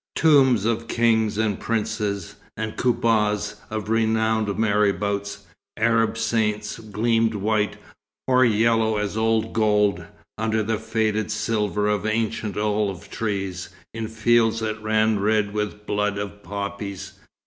Tombs of kings and princes, and koubbahs of renowned marabouts, Arab saints, gleamed white, or yellow as old gold, under the faded silver of ancient olive trees, in fields that ran red with blood of poppies.